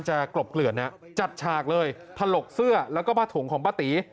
กลบเกลื่อนจัดฉากเลยถลกเสื้อแล้วก็ผ้าถุงของป้าตี